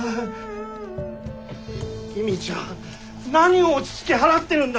公ちゃん何を落ち着き払ってるんだ。